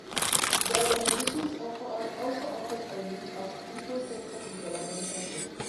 The organisation also offers a range of people-centred development projects.